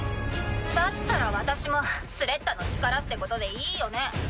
だったら私もスレッタの力ってことでいいよね？